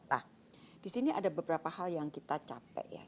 nah disini ada beberapa hal yang kita capek ya